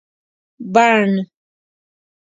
بڼ